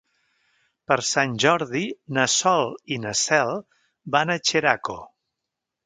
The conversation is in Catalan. Per Sant Jordi na Sol i na Cel van a Xeraco.